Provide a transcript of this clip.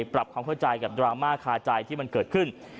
ปรับความเข้าใจกับดราม่าคาใจที่มันเกิดขึ้น